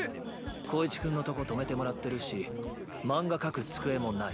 康一くんのとこ泊めてもらってるし漫画描く机もない。